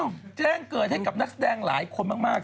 แจ้งเกิดให้กับนักแสดงหลายคนมาก